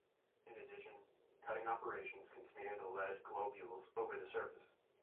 In addition, cutting operations can smear the lead globules over the surface.